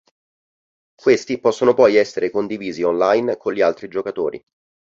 Questi possono poi essere condivisi online con gli altri giocatori.